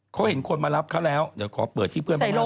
เขาเห็นคนมารับเขาแล้วเดี๋ยวขอเปิดที่เพื่อนไม่รู้